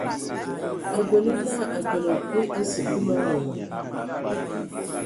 A bələ na a kələ kui a sikulu owola.